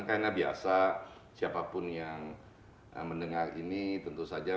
karena biasa siapapun yang mendengar ini tentu saja membutuhkan penawaran